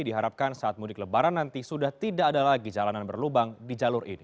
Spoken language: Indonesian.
diharapkan saat mudik lebaran nanti sudah tidak ada lagi jalanan berlubang di jalur ini